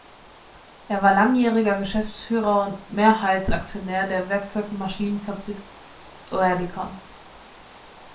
Er war langjähriger Geschäftsführer und Mehrheitsaktionär der Werkzeugmaschinenfabrik Oerlikon.